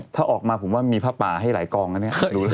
ถ้าออกมาผมว่ามีผ้าป่าให้หลายกองนะเนี่ย